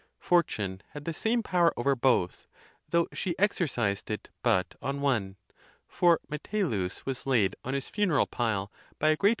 Fortune had the same power over both, though she exercised it but on one; for Metellus was laid on his funeral pile by a great.